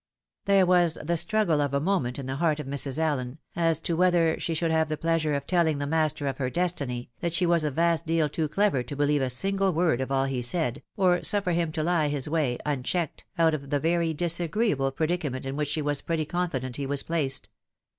There was the struggle of a moment in the heart of Mrs. AUen, as to whether she should have the pleasure of telling the ■what's in a name? 27 master of her destiny, that she was a vast deal too clever to believe a single word of all he had said, or suffer him to lie his way, unchecked, out of the very disagreeable predicament in which she was pretty confident he was placed.